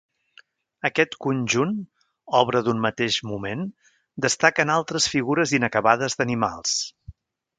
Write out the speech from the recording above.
Aquest conjunt, obra d'un mateix moment, destaquen altres figures inacabades d'animals.